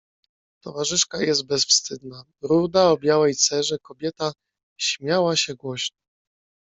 "Towarzyszka jego bezwstydna, ruda o białej cerze kobieta śmiała się głośno."